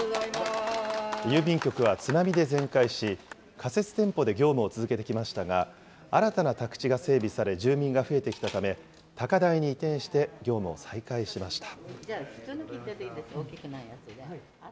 郵便局は津波で全壊し、仮設店舗で業務を続けてきましたが、新たな宅地が整備され、住民が増えてきたため、高台に移転して業務を再開しました。